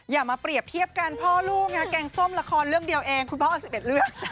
อย่ามาเปรียบเทียบกันพ่อลูกนะแกงส้มละครเรื่องเดียวเองคุณพ่อเอา๑๑เรื่อง